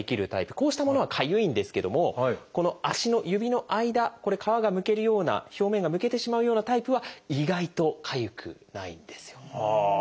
こうしたものはかゆいんですけどもこの足の指の間これ皮がむけるような表面がむけてしまうようなタイプは意外とかゆくないんですよ。